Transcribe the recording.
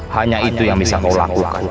hanya itu yang bisa kau lakukan